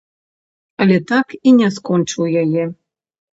Але так і не скончыў яе.